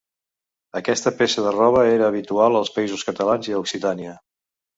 Aquesta peça de roba era habitual als Països Catalans i a Occitània.